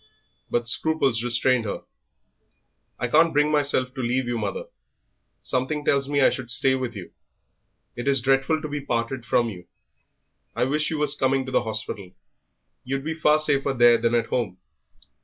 But scruples restrained her. "I can't bring myself to leave you, mother; something tells me I should stay with you. It is dreadful to be parted from you. I wish you was coming to the hospital; you'd be far safer there than at home."